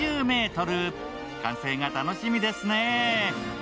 完成が楽しみですね。